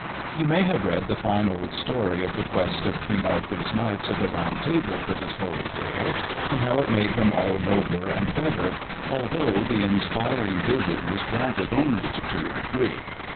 You may have read the fine old story of the quest of King Arthur's Knights of the Round Table for this Holy Grail, and how it made them all nobler and better, although the inspiring vision was granted only to two or three.